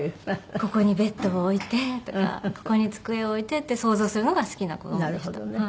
「ここにベッドを置いて」とか「ここに机を置いて」って想像するのが好きな子どもでした。